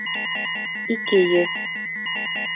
Ике йөҙ